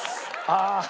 ああ。